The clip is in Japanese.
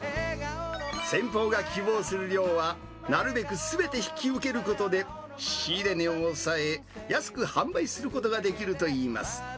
先方が希望する量はなるべくすべて引き受けることで仕入れ値を抑え、安く販売することができるといいます。